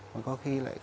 mà có khi lại